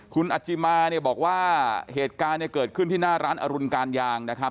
คุณอจิมาบอกว่าเหตุการณ์เกิดขึ้นที่หน้าร้านอรุณกานยางนะครับ